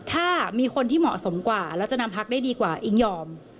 ถ้ามีคนที่เหมาะสมกว่าแล้วจะนำพักได้ดีกว่าอิ๊งยอม